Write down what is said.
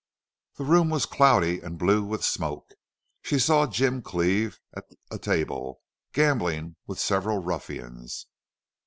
The room was cloudy and blue with smoke. She saw Jim Cleve at a table gambling with several ruffians.